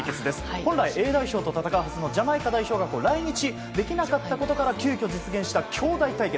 本来Ａ代表と戦うはずのジャマイカ代表が来日できなかったことから急きょ実現した兄弟対決。